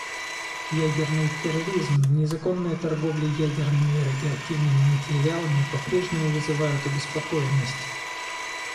Ядерный терроризм, незаконная торговля ядерными и радиоактивными материалами попрежнему вызывают обеспокоенность.